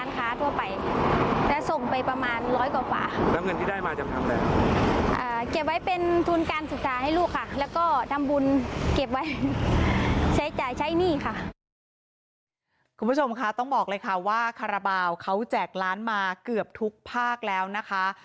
คุณผู้ชมคะต้องบอกเลยค่ะว่าคาราบาลเขาแจกร้านมาเกือบทุกภาคแล้วนะคะ